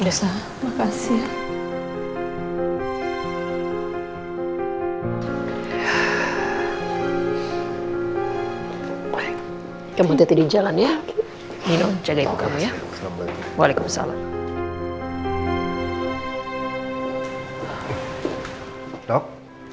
hai kamu teti di jalan ya minum jaga ibu kamu ya waalaikumsalam